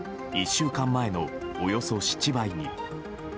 １週間前のおよそ７倍に。